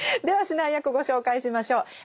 では指南役ご紹介しましょう。